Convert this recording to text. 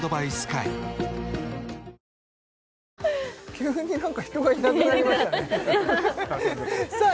急になんか人がいなくなりましたねさあ